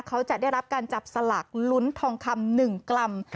เขาจะได้รับการจับสลากลุ้นทองคำ๑กรัม